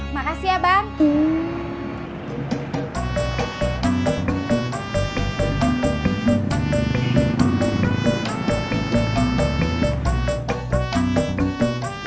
makasih ya bang